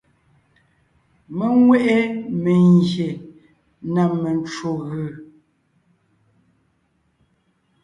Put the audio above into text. Mé nwé ʼe mengyè na mencwò gʉ.